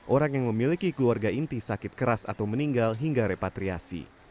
orang yang memiliki keluarga inti sakit keras atau meninggal hingga repatriasi